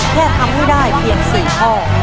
แค่ทำให้ได้เพียง๔ข้อ